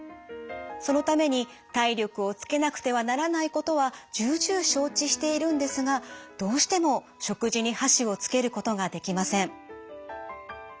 そのために体力をつけなくてはならないことは重々承知しているんですがどうしても食事に箸をつけることができません。